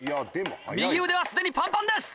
右腕は既にパンパンです！